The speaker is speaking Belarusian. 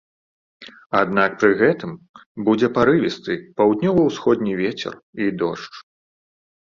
Аднак пры гэтым будзе парывісты паўднёва-ўсходні вецер і дождж.